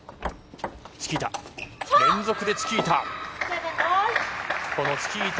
連続でチキータ！